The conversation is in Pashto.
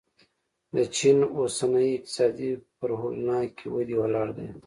د چین اوسنی اقتصاد پر هولناکې ودې ولاړ دی.